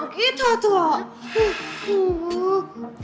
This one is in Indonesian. gak gitu tuh